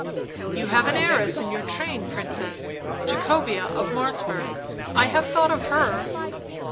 " Yon have an heiress in your train, Princess— Jacobea of Martzburg — I have thought of her."